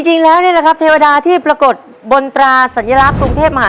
จริงแล้วนี่แหละครับเทวดาที่ปรากฏบนตราสัญลักษณ์กรุงเทพมหานคร